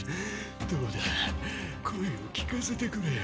どうだ声を聞かせてくれよ。